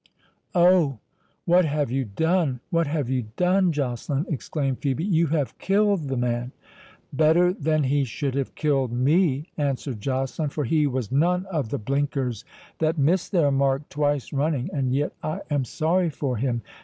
"Oh, what have you done?—what have you done, Joceline!" exclaimed Phœbe; "you have killed the man!" "Better than he should have killed me," answered Joceline; "for he was none of the blinkers that miss their mark twice running.—And yet I am sorry for him.